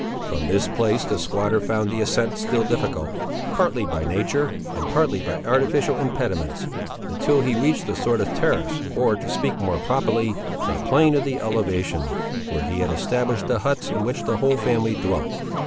From this place the squatter found the ascent still difficult, partly by nature and partly by artificial impediments, until he reached a sort of terrace, or, to speak more properly, the plain of the elevation, where he had established the huts in which the whole family dwelt.